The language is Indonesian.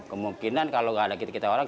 kemungkinan kalau enggak ada kita orang